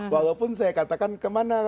walaupun saya katakan kemana